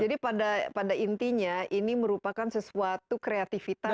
jadi pada intinya ini merupakan sesuatu kreativitas